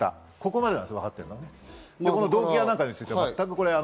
ここまでなんです、わかってることは。